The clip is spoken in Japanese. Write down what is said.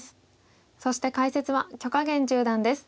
そして解説は許家元十段です。